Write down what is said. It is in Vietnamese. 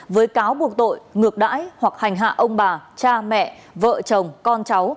với cáo buộc tội ngược đãi hoặc hành hạ ông bà cha mẹ vợ chồng con cháu